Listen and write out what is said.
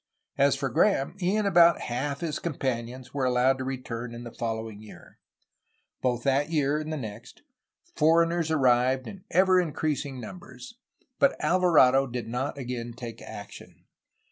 As for Graham, he and about half of his companions were al lowed to return in the following year. Both that year and the next, foreigners arrived in ever increasing numbers, but Alva; rado did not again take action.